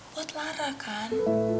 buat lara kan